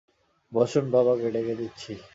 বসুন, বাবাকে ডেকে দিচ্ছি।